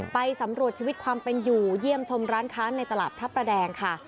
ไปสำรวจชีวิตความเป็นอยู่เยี่ยมชมร้านค้าในตลาดพระประแดงค่ะ